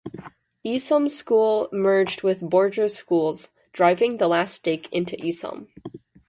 Isom's school merged with Borger's schools, driving the last stake into Isom.